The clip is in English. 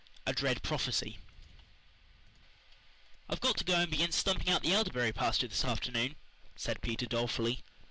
A DREAD PROPHECY "I've got to go and begin stumping out the elderberry pasture this afternoon," said Peter dolefully.